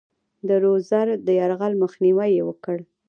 د رودز د یرغل مخنیوی یې وکړ.